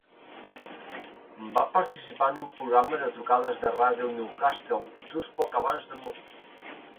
Va participar en un programa de trucades de Radio Newcastle just poc abans de morir.